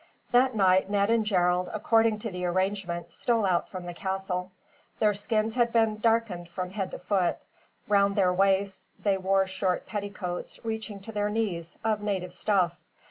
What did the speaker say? That night Ned and Gerald, according to the arrangement, stole out from the castle. Their skins had been darkened from head to foot. Round their waists they wore short petticoats, reaching to their knees, of native stuff.